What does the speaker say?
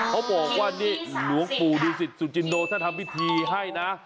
เขาบอกว่านี่หลวงปู่ดูสิตสุจินโนถ้าทำพิธีให้นะ